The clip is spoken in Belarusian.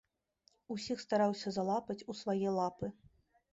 Усіх стараўся залапаць у свае лапы.